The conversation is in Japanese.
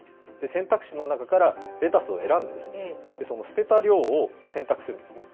選択肢の中からレタスを選んで、その捨てた量を選択するんですね。